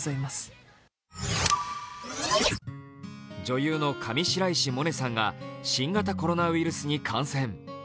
女優の上白石萌音さんが新型コロナウイルスに感染。